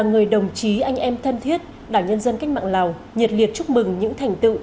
người đồng chí anh em thân thiết đảng nhân dân cách mạng lào nhiệt liệt chúc mừng những thành tựu